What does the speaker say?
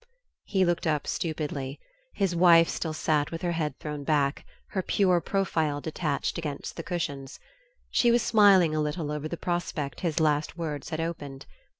He looked up stupidly. His wife still sat with her head thrown back, her pure profile detached against the cushions. She was smiling a little over the prospect his last words had opened.